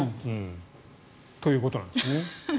ということなんですね。